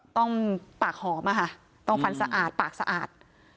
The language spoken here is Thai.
ต้องปากหอมอะค่ะต้องฟันสะอาดปากสะอาด